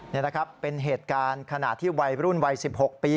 นี่นะครับเป็นเหตุการณ์ขณะที่วัยรุ่นวัย๑๖ปี